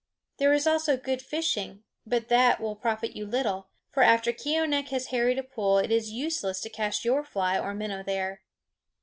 There is also good fishing, but that will profit you little; for after Keeonekh has harried a pool it is useless to cast your fly or minnow there.